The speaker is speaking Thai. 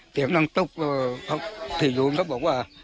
เตรียมนั่งตุ๊กเขาผิดรูนเขาบอกว่า